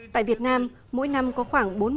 tại việt nam mỗi năm có khoảng